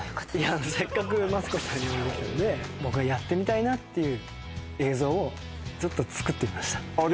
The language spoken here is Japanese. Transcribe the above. せっかくマツコさんにお会いできたので僕がやってみたいなっていう映像をちょっと作ってみましたああ